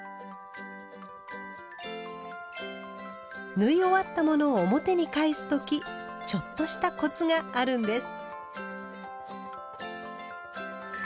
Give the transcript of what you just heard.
縫い終わったものを表に返す時ちょっとしたコツがあるんです。